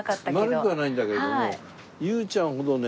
丸くはないんだけれども優ちゃんほどね